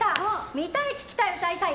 見たい聴きたい歌いたい！